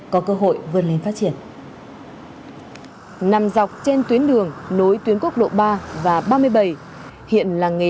có cơ hội vươn lên phát triển